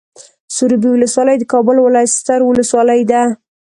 سروبي ولسوالۍ د کابل ولايت ستر ولسوالي ده.